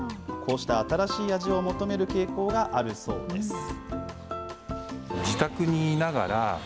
こうした新しい味を求める傾向があるそうです。